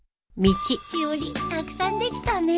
しおりたくさんできたね。